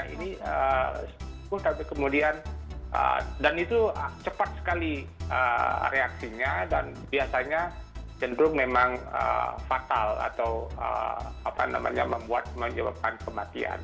ini tapi kemudian dan itu cepat sekali reaksinya dan biasanya cenderung memang fatal atau membuat menyebabkan kematian